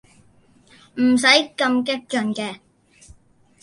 唔使咁激進嘅